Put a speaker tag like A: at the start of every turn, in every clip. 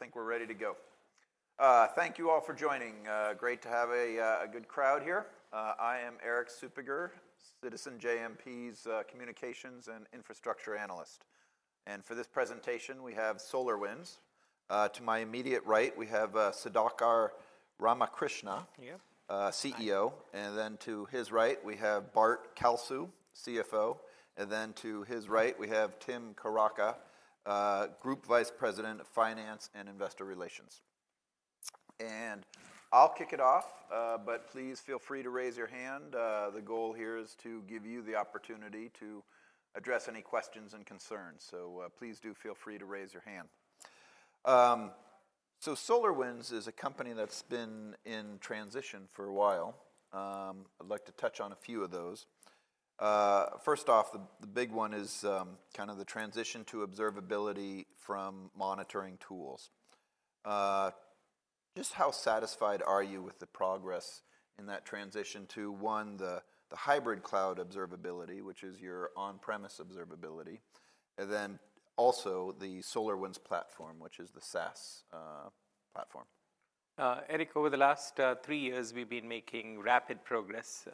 A: All right. I think we're ready to go. Thank you all for joining. Great to have a good crowd here. I am Erik Suppiger, Citizens JMP's Communications and Infrastructure Analyst. And for this presentation, we have SolarWinds. To my immediate right, we have Sudhakar Ramakrishna, CEO. And then to his right, we have Bart Kalsu, CFO. And then to his right, we have Tim Krueger, group vice president of finance and investor relations. And I'll kick it off, but please feel free to raise your hand. The goal here is to give you the opportunity to address any questions and concerns. So please do feel free to raise your hand. So SolarWinds is a company that's been in transition for a while. I'd like to touch on a few of those. First off, the big one is kind of the transition to observability from monitoring tools. Just how satisfied are you with the progress in that transition to, one, the Hybrid Cloud Observability, which is your on-premise observability, and then also the SolarWinds Platform, which is the SaaS platform?
B: Erik, over the last three years, we've been making rapid progress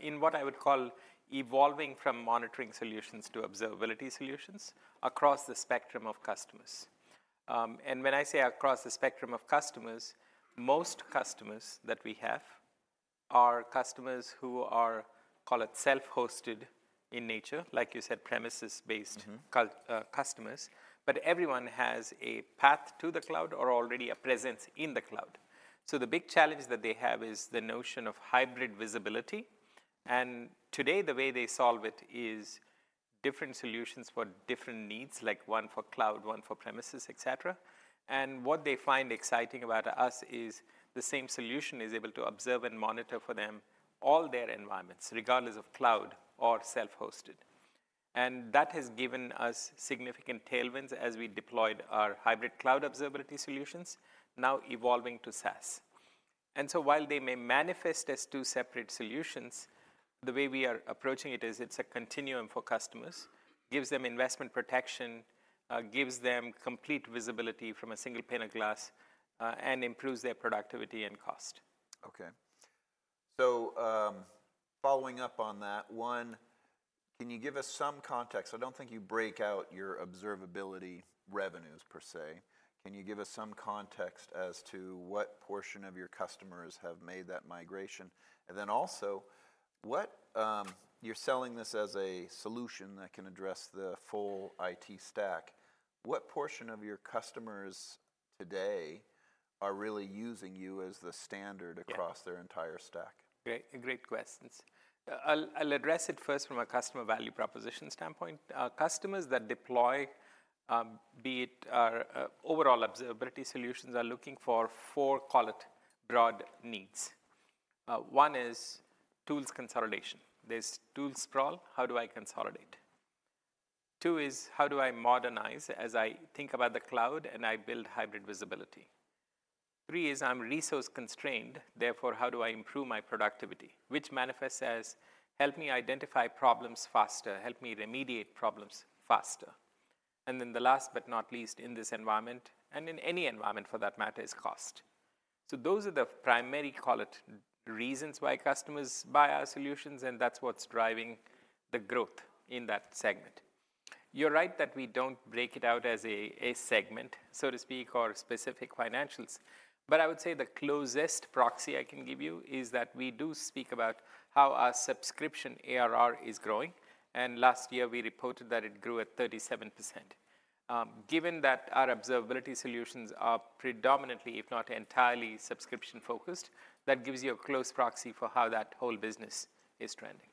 B: in what I would call evolving from monitoring solutions to observability solutions across the spectrum of customers. When I say across the spectrum of customers, most customers that we have are customers who are, call it, self-hosted in nature, like you said, premises-based customers. Everyone has a path to the cloud or already a presence in the cloud. The big challenge that they have is the notion of hybrid visibility. Today, the way they solve it is different solutions for different needs, like one for cloud, one for premises, et cetera. What they find exciting about us is the same solution is able to observe and monitor for them all their environments, regardless of cloud or self-hosted. And that has given us significant tailwinds as we deployed our Hybrid Cloud Observability solutions, now evolving to SaaS. And so while they may manifest as two separate solutions, the way we are approaching it is it's a continuum for customers, gives them investment protection, gives them complete visibility from a single pane of glass, and improves their productivity and cost.
A: OK. So following up on that, one, can you give us some context? I don't think you break out your observability revenues, per se. Can you give us some context as to what portion of your customers have made that migration? And then also, you're selling this as a solution that can address the full IT stack. What portion of your customers today are really using you as the standard across their entire stack?
B: Great questions. I'll address it first from a customer value proposition standpoint. Customers that deploy, be it our overall observability solutions, are looking for four, call it, broad needs. One is tools consolidation. There's tool sprawl. How do I consolidate? Two is, how do I modernize as I think about the cloud and I build hybrid visibility? Three is, I'm resource-constrained. Therefore, how do I improve my productivity, which manifests as, help me identify problems faster, help me remediate problems faster? And then the last but not least in this environment, and in any environment for that matter, is cost. So those are the primary, call it, reasons why customers buy our solutions. And that's what's driving the growth in that segment. You're right that we don't break it out as a segment, so to speak, or specific financials. I would say the closest proxy I can give you is that we do speak about how our subscription ARR is growing. Last year, we reported that it grew at 37%. Given that our observability solutions are predominantly, if not entirely, subscription-focused, that gives you a close proxy for how that whole business is trending.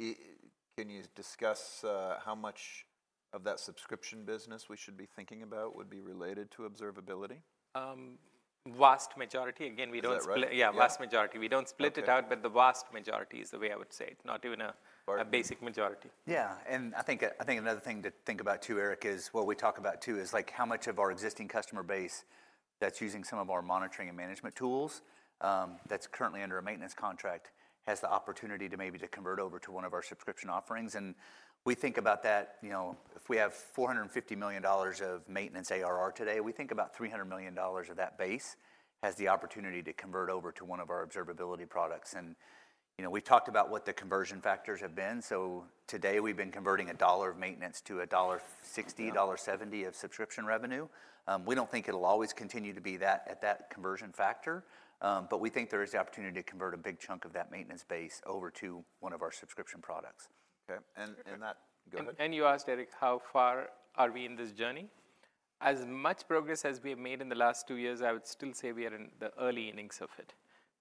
A: Can you discuss how much of that subscription business we should be thinking about would be related to observability?
B: Vast majority. Again, we don't split.
A: Is that right?
B: Yeah, vast majority. We don't split it out. But the vast majority is the way I would say it, not even a basic majority.
C: Yeah. And I think another thing to think about too, Erik, is what we talk about too is how much of our existing customer base that's using some of our monitoring and management tools that's currently under a maintenance contract has the opportunity to maybe convert over to one of our subscription offerings. And we think about that. If we have $450 million of maintenance ARR today, we think about $300 million of that base has the opportunity to convert over to one of our observability products. And we've talked about what the conversion factors have been. So today, we've been converting $1 of maintenance to $1.60-$1.70 of subscription revenue. We don't think it'll always continue to be that at that conversion factor. But we think there is the opportunity to convert a big chunk of that maintenance base over to one of our subscription products. OK. And that. Go ahead.
B: You asked, Erik, how far are we in this journey? As much progress as we have made in the last two years, I would still say we are in the early innings of it.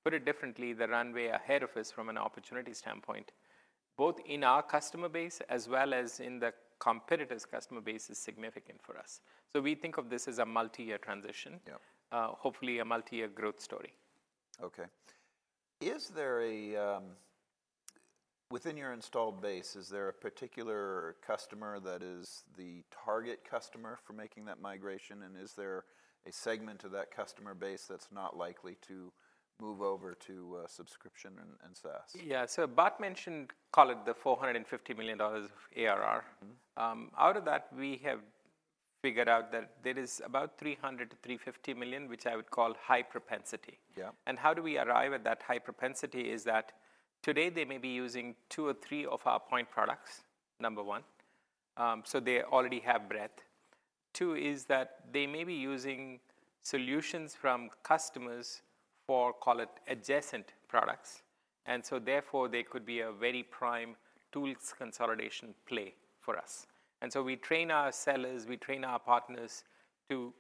B: Put it differently, the runway ahead of us from an opportunity standpoint, both in our customer base as well as in the competitors' customer base, is significant for us. So we think of this as a multi-year transition, hopefully a multi-year growth story.
A: OK. Within your installed base, is there a particular customer that is the target customer for making that migration? Is there a segment of that customer base that's not likely to move over to subscription and SaaS?
B: Yeah. So Bart mentioned, call it, the $450 million of ARR. Out of that, we have figured out that there is about $300-$350 million, which I would call high propensity. And how do we arrive at that high propensity is that today, they may be using two or three of our point products, number one. So they already have breadth. Two is that they may be using solutions from customers for, call it, adjacent products. And so therefore, they could be a very prime tools consolidation play for us. And so we train our sellers. We train our partners to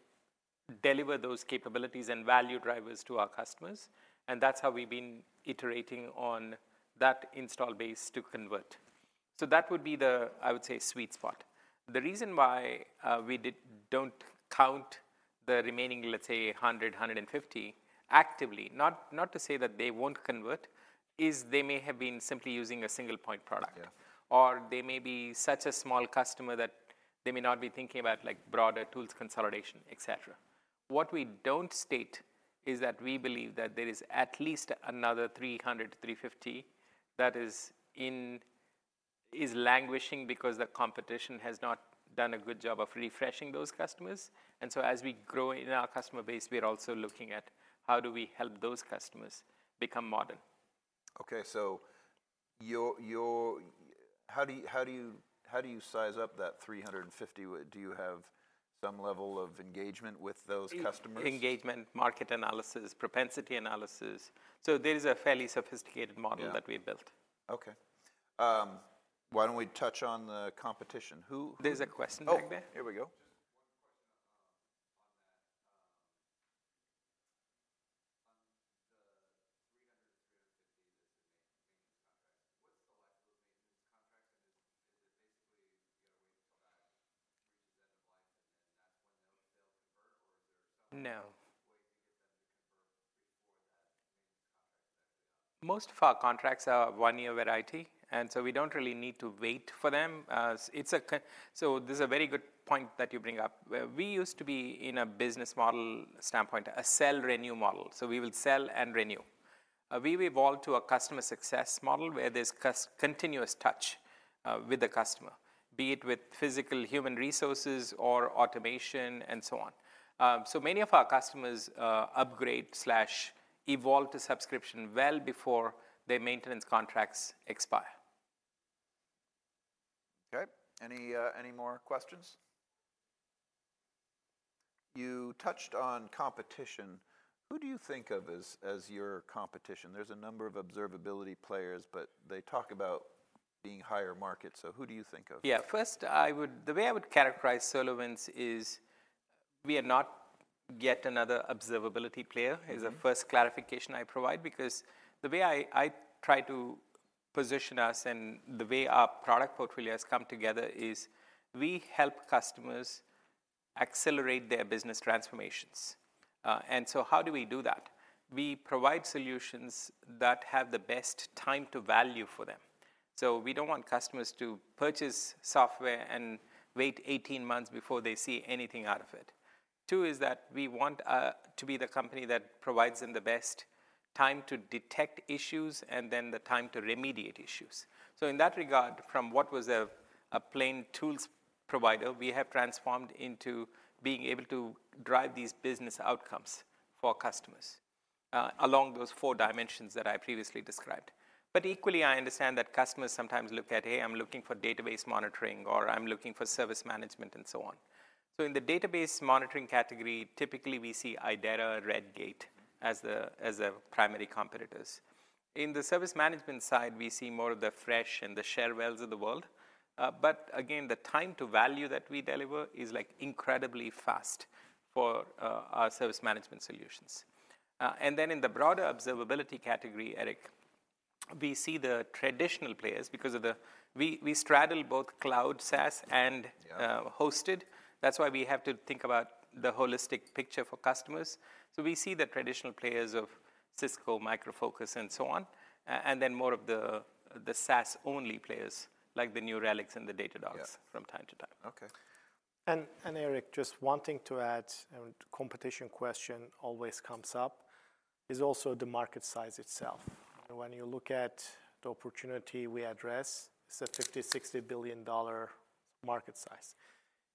B: deliver those capabilities and value drivers to our customers. And that's how we've been iterating on that installed base to convert. So that would be the, I would say, sweet spot. The reason why we don't count the remaining, let's say, 100-150 actively, not to say that they won't convert, is they may have been simply using a single point product. Or they may be such a small customer that they may not be thinking about broader tools consolidation, et cetera. What we don't state is that we believe that there is at least another 300-350 that is languishing because the competition has not done a good job of refreshing those customers. And so as we grow in our customer base, we are also looking at how do we help those customers become modern.
A: OK. So how do you size up that 350? Do you have some level of engagement with those customers?
B: Engagement, market analysis, propensity analysis. So there is a fairly sophisticated model that we built.
A: OK. Why don't we touch on the competition?
B: There's a question back there.
A: Oh, here we go.
D: Just one question on that. On the $300-$350 that's in maintenance contracts, what's the life of those maintenance contracts? And is it basically you got to wait until that reaches end of life, and then that's when they'll convert? Or is there some way to get them to convert before that maintenance contract is actually on?
B: Most of our contracts are one-year with IT. And so we don't really need to wait for them. So this is a very good point that you bring up. We used to be, in a business model standpoint, a sale-renew model. So we will sell and renew. We've evolved to a customer success model where there's continuous touch with the customer, be it with physical human resources or automation and so on. So many of our customers upgrade/evolve to subscription well before their maintenance contracts expire.
A: OK. Any more questions? You touched on competition. Who do you think of as your competition? There's a number of observability players. But they talk about being higher market. So who do you think of?
B: Yeah. First, the way I would characterize SolarWinds is we are not yet another observability player, is the first clarification I provide. Because the way I try to position us and the way our product portfolio has come together is we help customers accelerate their business transformations. And so how do we do that? We provide solutions that have the best time to value for them. So we don't want customers to purchase software and wait 18 months before they see anything out of it. Two is that we want to be the company that provides them the best time to detect issues and then the time to remediate issues. So in that regard, from what was a plain tools provider, we have transformed into being able to drive these business outcomes for customers along those four dimensions that I previously described. But equally, I understand that customers sometimes look at, hey, I'm looking for database monitoring, or I'm looking for service management, and so on. So in the database monitoring category, typically, we see Idera, Redgate, as the primary competitors. In the service management side, we see more of the Fresh and the Cherwells of the world. But again, the time to value that we deliver is incredibly fast for our service management solutions. And then in the broader observability category, Erik, we see the traditional players because we straddle both cloud, SaaS, and hosted. That's why we have to think about the holistic picture for customers. So we see the traditional players of Cisco, Micro Focus, and so on, and then more of the SaaS-only players, like the New Relics and the Datadogs, from time to time.
E: OK. And Erik, just wanting to add, and competition question always comes up, is also the market size itself. When you look at the opportunity we address, it's a $50-$60 billion market size.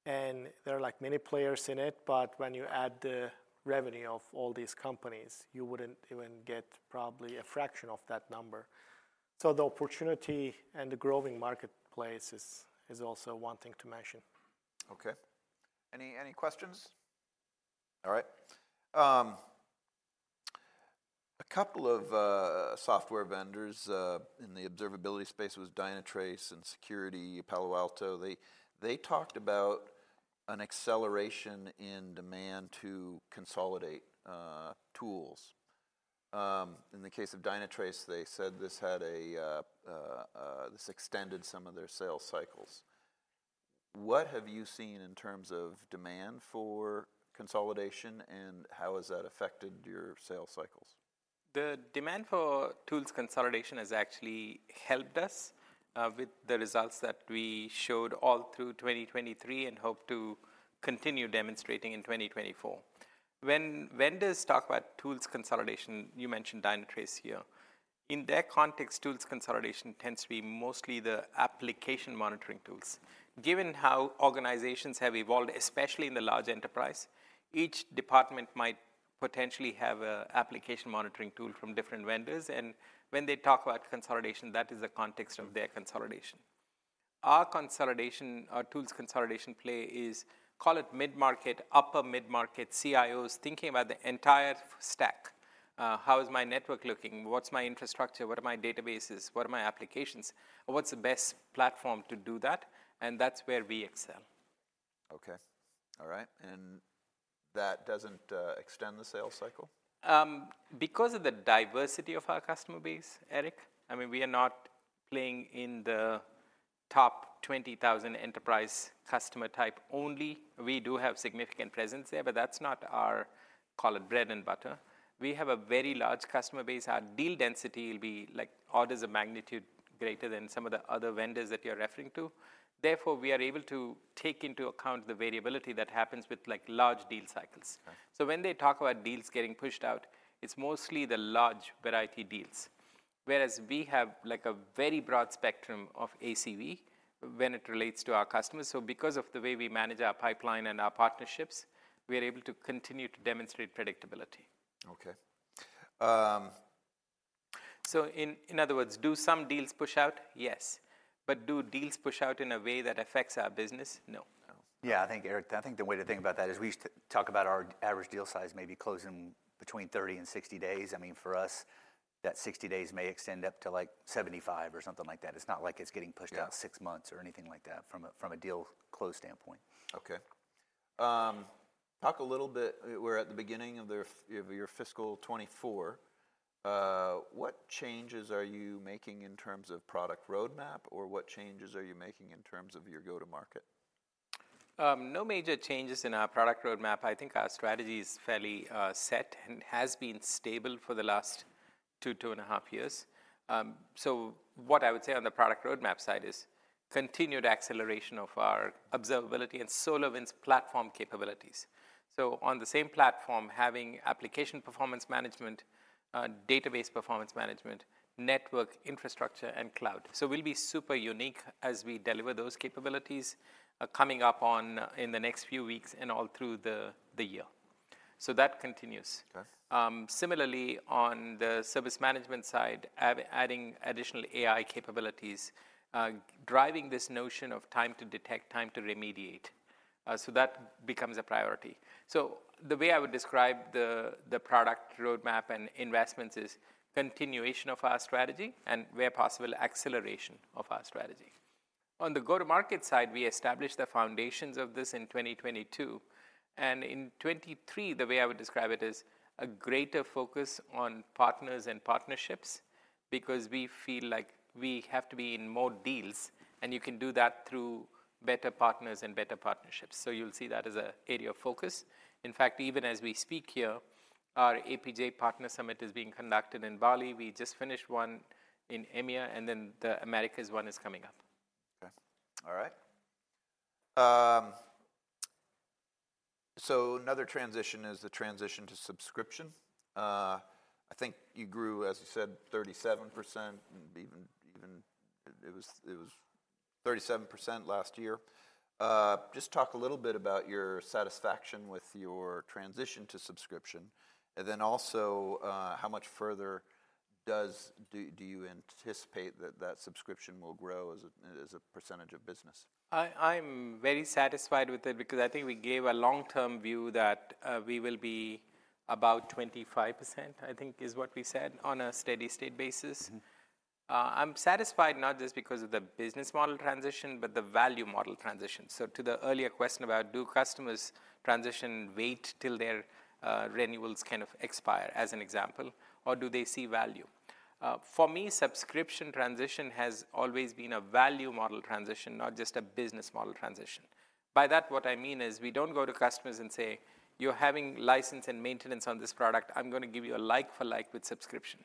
E: And there are many players in it. But when you add the revenue of all these companies, you wouldn't even get probably a fraction of that number. So the opportunity and the growing marketplace is also one thing to mention. OK. Any questions? All right. A couple of software vendors in the observability space was Dynatrace and Palo Alto. They talked about an acceleration in demand to consolidate tools. In the case of Dynatrace, they said this extended some of their sales cycles. What have you seen in terms of demand for consolidation? And how has that affected your sales cycles?
B: The demand for tools consolidation has actually helped us with the results that we showed all through 2023 and hope to continue demonstrating in 2024. When vendors talk about tools consolidation, you mentioned Dynatrace here. In their context, tools consolidation tends to be mostly the application monitoring tools. Given how organizations have evolved, especially in the large enterprise, each department might potentially have an application monitoring tool from different vendors. And when they talk about consolidation, that is the context of their consolidation. Our tools consolidation play is, call it mid-market, upper mid-market, CIOs thinking about the entire stack. How is my network looking? What's my infrastructure? What are my databases? What are my applications? What's the best platform to do that? And that's where we excel.
A: OK. All right. And that doesn't extend the sales cycle?
B: Because of the diversity of our customer base, Erik, I mean, we are not playing in the top 20,000 enterprise customer type only. We do have significant presence there. But that's not our, call it, bread and butter. We have a very large customer base. Our deal density will be orders of magnitude greater than some of the other vendors that you're referring to. Therefore, we are able to take into account the variability that happens with large deal cycles. So when they talk about deals getting pushed out, it's mostly the large variety deals. Whereas we have a very broad spectrum of ACV when it relates to our customers. So because of the way we manage our pipeline and our partnerships, we are able to continue to demonstrate predictability.
A: OK.
B: In other words, do some deals push out? Yes. But do deals push out in a way that affects our business? No.
C: Yeah. I think, Erik, I think the way to think about that is we talk about our average deal size maybe closing between 30-60 days. I mean, for us, that 60 days may extend up to 75 or something like that. It's not like it's getting pushed out 6 months or anything like that from a deal close standpoint.
A: OK. Talk a little bit. We're at the beginning of your fiscal 2024. What changes are you making in terms of product roadmap? Or what changes are you making in terms of your go-to-market?
B: No major changes in our product roadmap. I think our strategy is fairly set and has been stable for the last 2.5 years. So what I would say on the product roadmap side is continued acceleration of our observability and SolarWinds Platform capabilities. So on the same platform, having application performance management, database performance management, network infrastructure, and cloud. So we'll be super unique as we deliver those capabilities coming up in the next few weeks and all through the year. So that continues. Similarly, on the service management side, adding additional AI capabilities, driving this notion of time to detect, time to remediate. So that becomes a priority. So the way I would describe the product roadmap and investments is continuation of our strategy and, where possible, acceleration of our strategy. On the go-to-market side, we established the foundations of this in 2022. In 2023, the way I would describe it is a greater focus on partners and partnerships because we feel like we have to be in more deals. You can do that through better partners and better partnerships. You'll see that as an area of focus. In fact, even as we speak here, our APJ Partner Summit is being conducted in Bali. We just finished one in EMEA. Then the Americas one is coming up.
A: OK. All right. So another transition is the transition to subscription. I think you grew, as you said, 37%. It was 37% last year. Just talk a little bit about your satisfaction with your transition to subscription. And then also, how much further do you anticipate that subscription will grow as a percentage of business?
B: I'm very satisfied with it because I think we gave a long-term view that we will be about 25%, I think, is what we said, on a steady-state basis. I'm satisfied not just because of the business model transition but the value model transition. So to the earlier question about do customers transition and wait till their renewals kind of expire, as an example, or do they see value? For me, subscription transition has always been a value model transition, not just a business model transition. By that, what I mean is we don't go to customers and say, you're having license and maintenance on this product. I'm going to give you a like-for-like with subscription.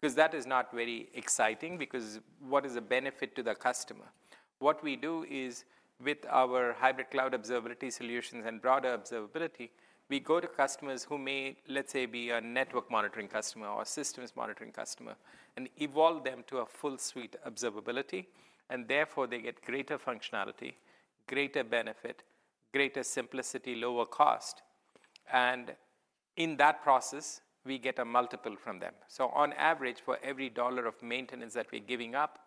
B: Because that is not very exciting because what is the benefit to the customer? What we do is, with our Hybrid Cloud Observability solutions and broader observability, we go to customers who may, let's say, be a network monitoring customer or a systems monitoring customer and evolve them to a full-suite observability. And therefore, they get greater functionality, greater benefit, greater simplicity, lower cost. And in that process, we get a multiple from them. So on average, for every $1 of maintenance that we're giving up,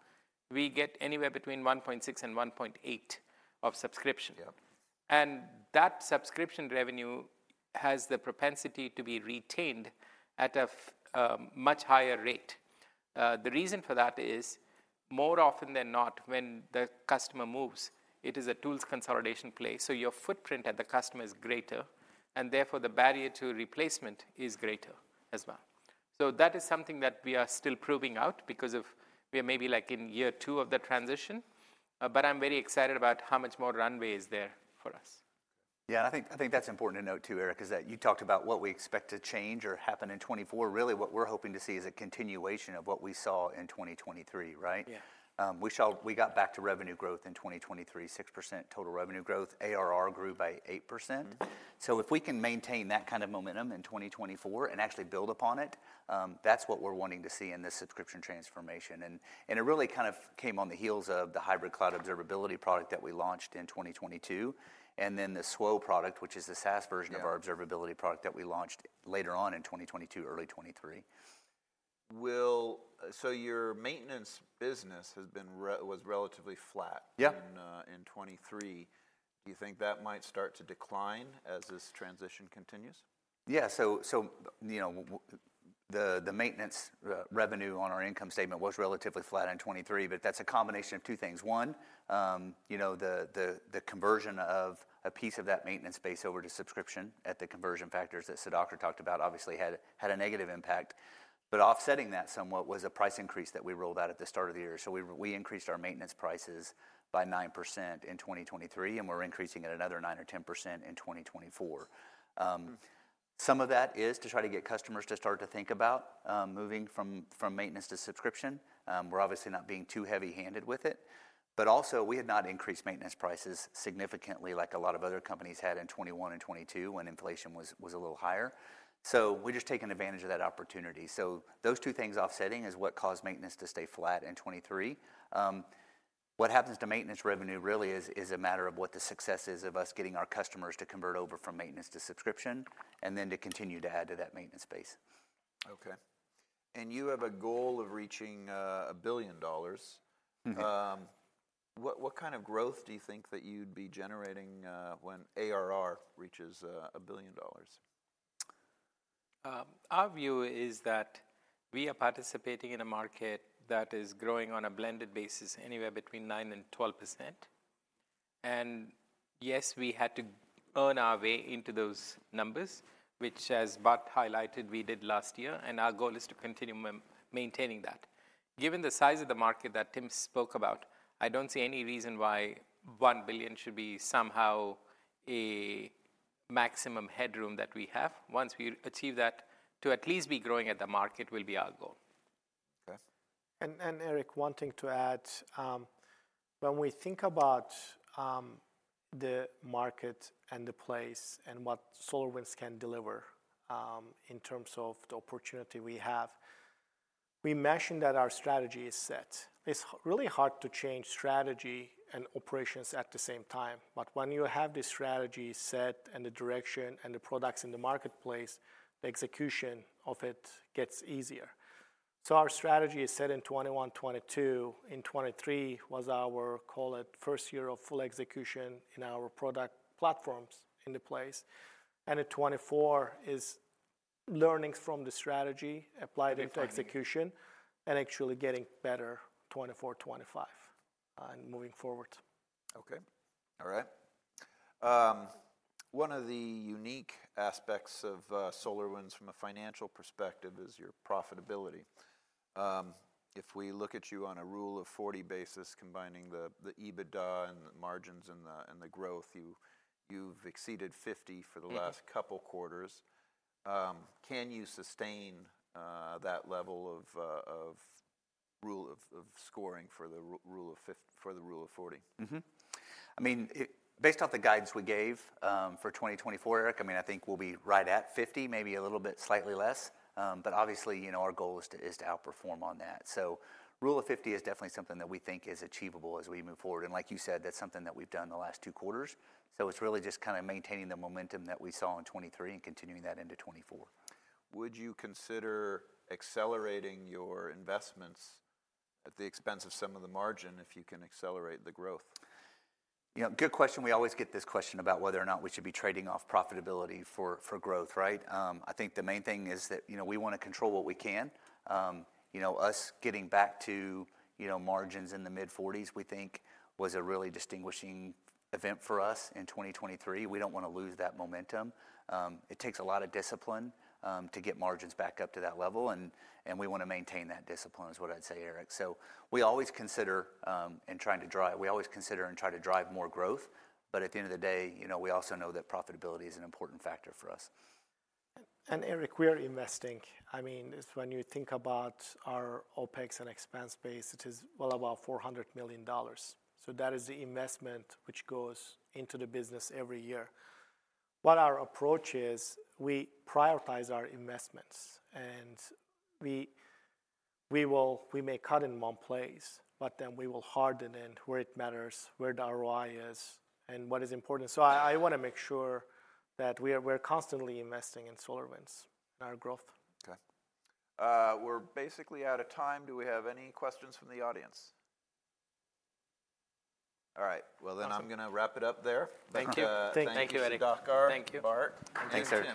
B: we get anywhere between 1.6-1.8 of subscription. And that subscription revenue has the propensity to be retained at a much higher rate. The reason for that is, more often than not, when the customer moves, it is a tools consolidation play. So your footprint at the customer is greater. And therefore, the barrier to replacement is greater as well. That is something that we are still proving out because we are maybe in year two of the transition. I'm very excited about how much more runway is there for us.
C: Yeah. I think that's important to note too, Erik, is that you talked about what we expect to change or happen in 2024. Really, what we're hoping to see is a continuation of what we saw in 2023, right?
B: Yeah.
C: We got back to revenue growth in 2023, 6% total revenue growth. ARR grew by 8%. So if we can maintain that kind of momentum in 2024 and actually build upon it, that's what we're wanting to see in this subscription transformation. And it really kind of came on the heels of the hybrid cloud observability product that we launched in 2022 and then the SWO product, which is the SaaS version of our observability product that we launched later on in 2022, early 2023.
A: So your maintenance business was relatively flat in 2023. Do you think that might start to decline as this transition continues?
C: Yeah. So the maintenance revenue on our income statement was relatively flat in 2023. But that's a combination of two things. One, the conversion of a piece of that maintenance base over to subscription at the conversion factors that Sudhakar talked about obviously had a negative impact. But offsetting that somewhat was a price increase that we rolled out at the start of the year. So we increased our maintenance prices by 9% in 2023. And we're increasing it another 9% or 10% in 2024. Some of that is to try to get customers to start to think about moving from maintenance to subscription. We're obviously not being too heavy-handed with it. But also, we had not increased maintenance prices significantly, like a lot of other companies had in 2021 and 2022 when inflation was a little higher. So we just taken advantage of that opportunity. Those two things offsetting is what caused maintenance to stay flat in 2023. What happens to maintenance revenue really is a matter of what the success is of us getting our customers to convert over from maintenance to subscription and then to continue to add to that maintenance base.
A: OK. And you have a goal of reaching $1 billion. What kind of growth do you think that you'd be generating when ARR reaches $1 billion?
B: Our view is that we are participating in a market that is growing on a blended basis anywhere between 9%-12%. And yes, we had to earn our way into those numbers, which, as Bart highlighted, we did last year. And our goal is to continue maintaining that. Given the size of the market that Tim spoke about, I don't see any reason why $1 billion should be somehow a maximum headroom that we have. Once we achieve that, to at least be growing at the market will be our goal.
C: OK. And Erik, wanting to add, when we think about the market and the place and what SolarWinds can deliver in terms of the opportunity we have, we mentioned that our strategy is set. It's really hard to change strategy and operations at the same time. But when you have the strategy set and the direction and the products in the marketplace, the execution of it gets easier. So our strategy is set in 2021, 2022. In 2023 was our, call it, first year of full execution in our product platforms in the place. And in 2024 is learnings from the strategy applied into execution and actually getting better 2024, 2025 and moving forward.
A: OK. All right. One of the unique aspects of SolarWinds from a financial perspective is your profitability. If we look at you on a rule of 40 basis, combining the EBITDA and the margins and the growth, you've exceeded 50 for the last couple quarters. Can you sustain that level of scoring for the rule of 40?
C: I mean, based off the guidance we gave for 2024, Erik, I mean, I think we'll be right at 50, maybe a little bit, slightly less. But obviously, our goal is to outperform on that. So rule of 50 is definitely something that we think is achievable as we move forward. And like you said, that's something that we've done the last two quarters. So it's really just kind of maintaining the momentum that we saw in 2023 and continuing that into 2024.
A: Would you consider accelerating your investments at the expense of some of the margin if you can accelerate the growth?
C: Good question. We always get this question about whether or not we should be trading off profitability for growth, right? I think the main thing is that we want to control what we can. Us getting back to margins in the mid-40s, we think, was a really distinguishing event for us in 2023. We don't want to lose that momentum. It takes a lot of discipline to get margins back up to that level. And we want to maintain that discipline is what I'd say, Erik. So we always consider and try to drive more growth. But at the end of the day, we also know that profitability is an important factor for us.
B: And Erik, we are investing. I mean, when you think about our OPEX and expense base, it is well above $400 million. So that is the investment which goes into the business every year. What our approach is, we prioritize our investments. And we may cut in one place. But then we will harden in where it matters, where the ROI is, and what is important. So I want to make sure that we're constantly investing in SolarWinds, in our growth.
A: OK. We're basically out of time. Do we have any questions from the audience? All right. Well, then I'm going to wrap it up there.
B: Thank you.
C: Thank you, Erik.
F: Thank you, Sudhakar.
C: Thank you.
B: Bart.
C: Thank you, sir.